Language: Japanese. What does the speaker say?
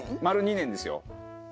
丸２年ですよ。